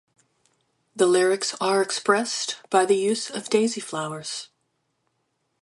The lyrics are expressed by the use of daisy flowers.